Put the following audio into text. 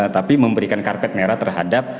tapi memberikan karpet merah terhadap